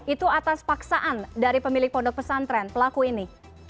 itu atas paksaan dari pemilik pondok pesantren pelaku ini